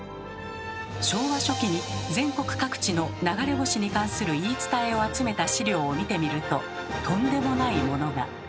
昭和初期に全国各地の流れ星に関する言い伝えを集めた資料を見てみるととんでもないものが。